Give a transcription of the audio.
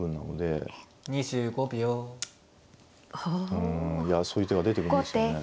うんいやそういう手が出てくるんですよね。